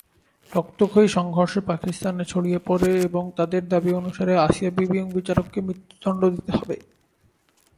রক্তক্ষয়ী সংঘর্ষ পাকিস্তানে ছড়িয়ে পরে এবং তাদের দাবী অনুসারে আসিয়া বিবি এবং বিচারককে মৃত্যুদন্ড দিতে হবে।